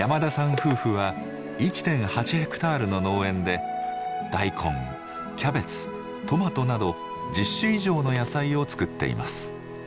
夫婦は１．８ヘクタールの農園で大根キャベツトマトなど１０種以上の野菜を作っています。